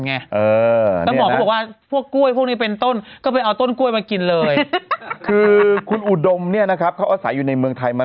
ว่าก็พวกผลไม้เช่นกล้วยเป็นต้นอันเนี้ยเหมากล้วยนึงโอ้